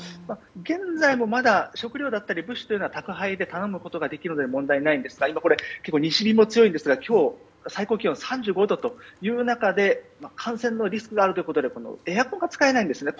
現在もまだ食料や物資は宅配で頼むことはできるので問題ないんですが今、西日も強いんですが今日、最高気温が３５度という中で感染のリスクがあるということでエアコンが使えないんですね。